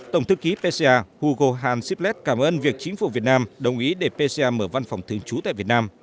tổng thư ký pesia hugo han siplet cảm ơn việc chính phủ việt nam đồng ý để pcm mở văn phòng thường trú tại việt nam